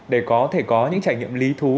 để có thể có những trải nghiệm lý thú